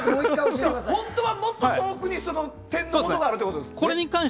本当はもっと遠くに点があるということですね。